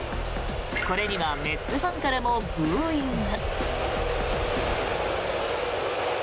これにはメッツファンからもブーイング。